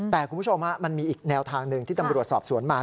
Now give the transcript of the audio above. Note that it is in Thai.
แต่คุณผู้ชมมันมีอีกแนวทางหนึ่งที่ตำรวจสอบสวนมา